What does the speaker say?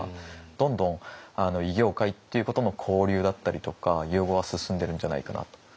どんどん異業界っていうことの交流だったりとか融合は進んでるんじゃないかなと。